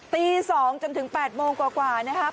ตี๒จนถึง๘โมงกว่านะครับ